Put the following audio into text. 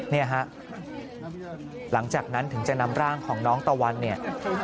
เนี่ยฮะหลังจากนั้นถึงจะนำร่างของน้องตะวันเนี่ย